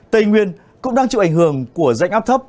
tây nguyên cũng đang chịu ảnh hưởng của rãnh áp thấp